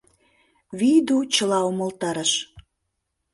Виийду чыла умылтарыш.